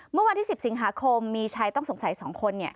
เมื่อวันที่๑๐สิงหาคมมีชายต้องสงสัย๒คน